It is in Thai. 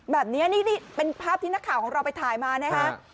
แบบนี้นี่เป็นภาพที่นักข่าวของเราไปถ่ายมานะฮะ